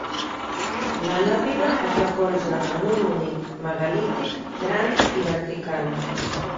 La làpida es recolza en un únic megalític gran i vertical.